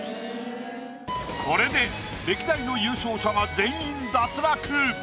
これで歴代の優勝者が全員脱落。